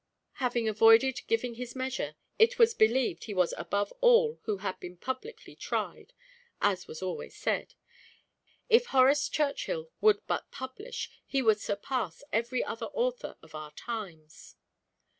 Having avoided giving his measure, it was believed he was above all who had been publicly tried it was always said "If Horace Churchill would but publish, he would surpass every other author of our times."